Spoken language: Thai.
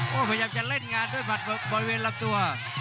พยายามจะเล่นงานด้วยหมัดบริเวณลำตัว